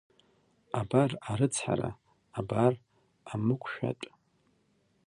Абар, арыцҳара, абар амықәшәатә!